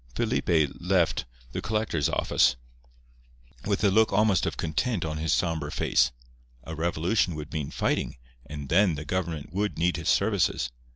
Felipe left the collector's office with a look almost of content on his sombre face. A revolution would mean fighting, and then the government would need his services.